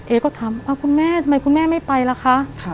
ก็ถามคุณแม่ทำไมคุณแม่ไม่ไปล่ะคะ